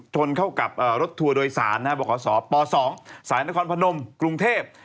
ชนเข้ากับรถทัวร์โดยสารบขศป๒สายนครพนมกรุงเทพ